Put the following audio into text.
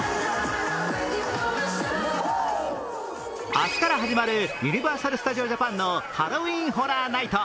明日から始まるユニバーサル・スタジオ・ジャパンのハロウィーン・ホラー・ナイト。